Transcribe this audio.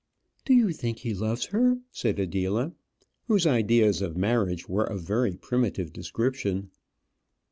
"Do you think he loves her?" said Adela, whose ideas of marriage were of very primitive description.